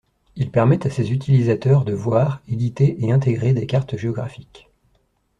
Il permet à ses utilisateurs de voir, éditer et intégrer des cartes géographiques.